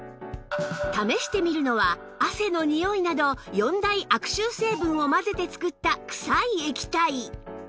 試してみるのは汗のニオイなど４大悪臭成分を混ぜて作ったくさい液体